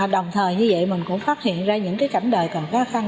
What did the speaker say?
đồng thời như vậy mình cũng phát hiện ra những cảnh đời còn khó khăn